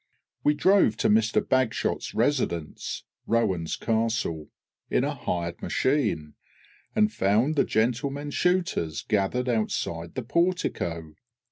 We drove to Mr BAGSHOT'S residence, Rowans Castle, in a hired machine, and found the gentlemen shooters gathered outside the portico.